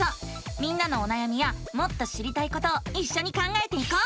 みんなのおなやみやもっと知りたいことをいっしょに考えていこう！